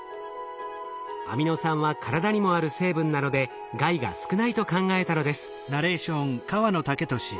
アミノ酸は体にもある成分なので害が少ないと考えたのです。